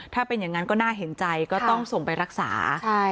ถ้าเป็นอย่างนั้นก็น่าเห็นใจก็ต้องส่งไปรักษาใช่